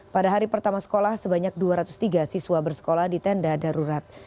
pada hari pertama sekolah sebanyak dua ratus tiga siswa bersekolah di tenda darurat